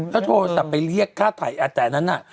แล้วโทรศัพท์ไปเรียกค่าไถ่แต่นั้นน่ะ